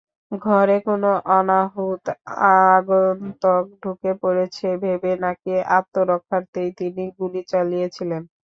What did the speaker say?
ঘরে কোনো অনাহূত আগন্তুক ঢুকে পড়েছে ভেবে নাকি আত্মরক্ষার্থেই তিনি গুলি চালিয়েছিলেন।